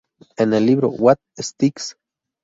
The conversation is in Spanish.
En el libro "What Sticks.